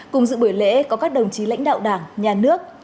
cùng dự buổi lễ có các đồng chí lãnh đạo đảng nhà nước